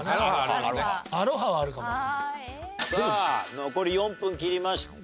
さあ残り４分切りました。